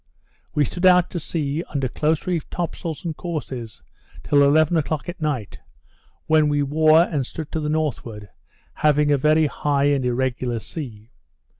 We stood out to sea, under close reefed top sails and courses, till eleven o'clock at night; when we wore and stood to the northward, having a very high and irregular sea.